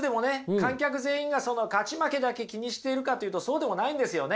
観客全員が勝ち負けだけ気にしているかっていうとそうでもないんですよね。